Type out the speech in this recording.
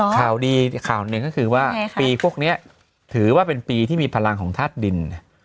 ข่าวดีข่าวหนึ่งก็คือว่าปีพวกนี้ถือว่าเป็นปีที่มีพลังของธาตุดิน